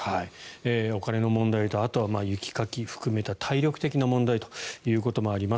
お金の問題とあとは雪かき含めた体力的な問題ということもあります。